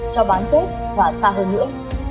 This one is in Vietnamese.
cho bán kết và xa hơn nữa